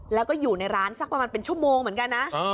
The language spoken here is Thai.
แล้วก็อยู่ในร้านสักประมาณเป็นชั่วโมงเหมือนกันนะ